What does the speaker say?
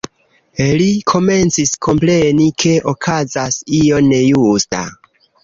Li komencis kompreni, ke okazas io nejusta.